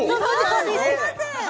ああすいません！